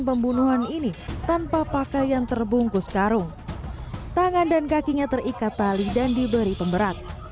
pembunuhan ini tanpa pakaian terbungkus karung tangan dan kakinya terikat tali dan diberi pemberat